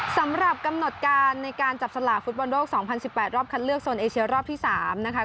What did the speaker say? สำหรับกำหนดการในการจับสลากฟุตบอลโลก๒๐๑๘รอบคัดเลือกโซนเอเชียรอบที่๓นะคะ